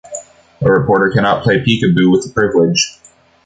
A reporter cannot play peek-a-boo with the privilege.